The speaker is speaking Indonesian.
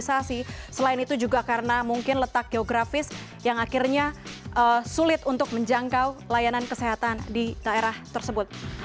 selain itu juga karena mungkin letak geografis yang akhirnya sulit untuk menjangkau layanan kesehatan di daerah tersebut